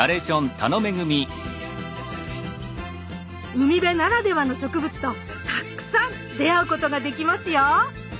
海辺ならではの植物とたくさん出会うことができますよ！